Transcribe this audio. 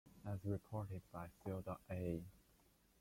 As reported by Theodore A.